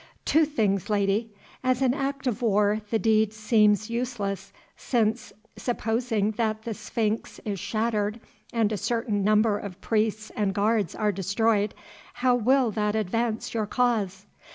"Two things, Lady. As an act of war the deed seems useless, since supposing that the sphinx is shattered and a certain number of priests and guards are destroyed, how will that advance your cause?